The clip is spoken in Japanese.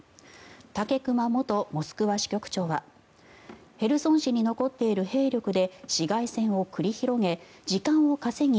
武隈元モスクワ支局長はヘルソン市に残っている兵力で市街戦を繰り広げ時間を稼ぎ